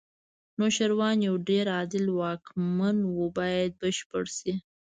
نوشیروان یو ډېر عادل واکمن و باید بشپړ شي.